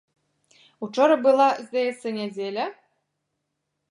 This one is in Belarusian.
Учора была, здаецца, нядзеля?